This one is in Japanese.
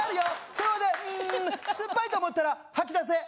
それはねうん酸っぱいと思ったら吐き出せ。